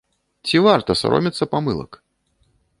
Ці варта саромецца памылак?